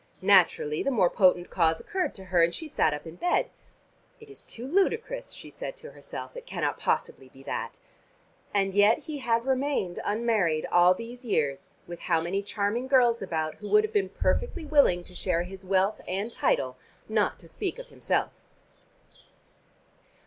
Naturally the more potent cause occurred to her, and she sat up in bed. "It is too ludicrous," she said to herself, "it cannot possibly be that." And yet he had remained unmarried all these years, with how many charming girls about who would have been perfectly willing to share his wealth and title, not to speak of himself.